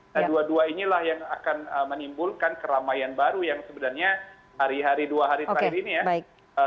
nah dua dua inilah yang akan menimbulkan keramaian baru yang sebenarnya hari hari dua hari terakhir ini ya